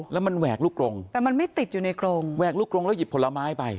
แล้วมันแหวกลูกกรงแต่มันไม่ติดอยู่ในกรงแหวกลูกกรงแล้วหยิบผลไม้ไป